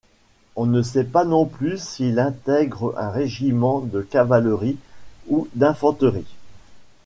On ne sait pas non plus s'il intègre un régiment de cavalerie ou d'infanterie.